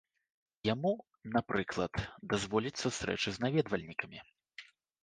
Яму, напрыклад, дазволяць сустрэчы з наведвальнікамі.